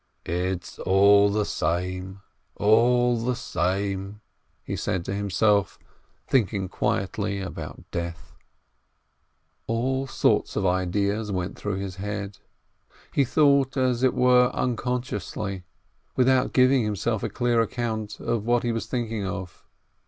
"It's all the same, all the same !" he said to himself, thinking quietly about death. All sorts of ideas went through his head. He thought as it were unconsciously, without giving himself a clear account of what he was thinking of.